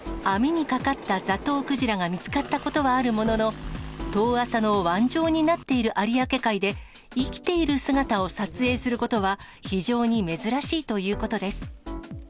網にかかったザトウクジラが見つかったことはあるものの、遠浅の湾状になっている有明海で、生きている姿を撮影することは非常に珍しいということです。